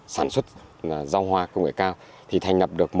sản xuất rau hoa công nghệ cao thì thành lập được